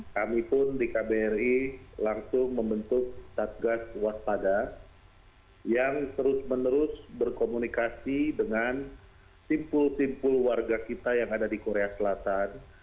kami pun di kbri langsung membentuk satgas waspada yang terus menerus berkomunikasi dengan simpul simpul warga kita yang ada di korea selatan